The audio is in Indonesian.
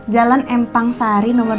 jalan empang sari nomor dua puluh dua a